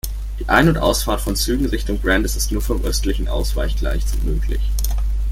Die Ein- und Ausfahrt von Zügen Richtung Brandis ist nur vom östlichen Ausweichgleis möglich.